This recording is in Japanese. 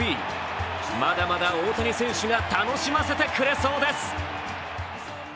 まだまだ大谷選手が楽しませてくれそうです。